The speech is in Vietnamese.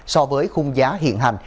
so với khung giá hiện hành